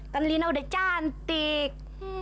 kan lina udah cantik